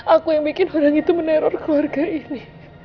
aku yang bikin orang itu meneror keluarga ini